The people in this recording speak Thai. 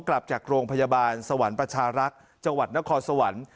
กลับจากโรงพยาบาลสวรรค์ประชารักษ์จังหวัดนครสวรรค์